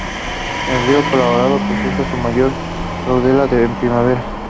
El Río Colorado presenta su mayor caudal en primavera.